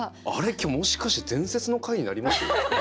今日もしかして伝説の回になります？